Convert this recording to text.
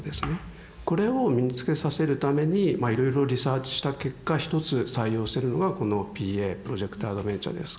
これを身につけさせるためにいろいろリサーチした結果一つ採用してるのがこのＰＡプロジェクトアドベンチャーです。